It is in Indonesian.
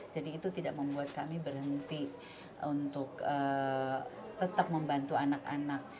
jadi itu tidak membuat kami berhenti untuk tetap membantu anak anak